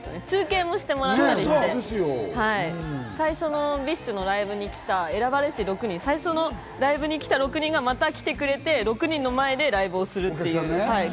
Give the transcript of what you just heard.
中継もしてもらって、最初のＢｉＳＨのライブに来た選ばれし６人、ライブに来た６人がまた来てくれて、６人の前でライブをするという。